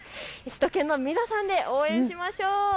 首都圏の皆さんで応援しましょう。